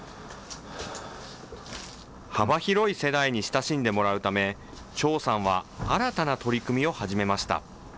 幅広い世代に親しんでもらうため、張さんは新たな取り組みを始めました。